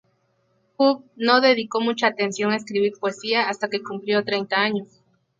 Howe no dedicó mucha atención a escribir poesía hasta que cumplió treinta años.